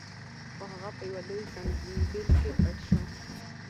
خو هغه په یوه لوی زنبیل کې پټ شو.